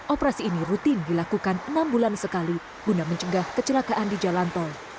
operasi ini rutin dilakukan enam bulan sekali guna mencegah kecelakaan di jalan tol